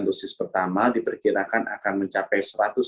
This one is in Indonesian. dosis pertama diperkirakan akan mencapai